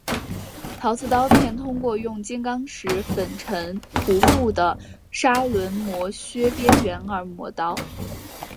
陶瓷刀片通过用金刚石粉尘涂覆的砂轮磨削边缘而磨刀。